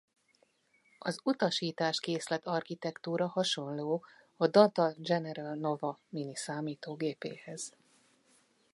Az utasításkészlet-architektúra hasonló a Data General Nova miniszámítógépéhez.